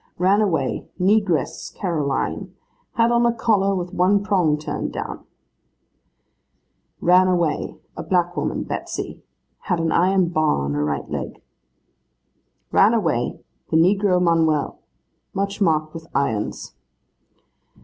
'Ran away, Negress Caroline. Had on a collar with one prong turned down.' 'Ran away, a black woman, Betsy. Had an iron bar on her right leg.' 'Ran away, the negro Manuel. Much marked with irons.